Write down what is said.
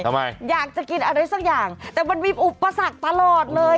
ทำไมอยากจะกินอะไรสักอย่างแต่มันมีอุปสรรคตลอดเลย